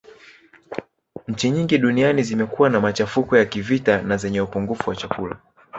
Nchi nyingi duniani zimekuwa na machafuko ya kivita na zenye upungufu wa chakula